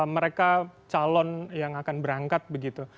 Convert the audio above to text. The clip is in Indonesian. mereka calon yang akan berangkat begitu